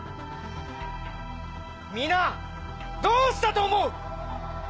どうしたと思う⁉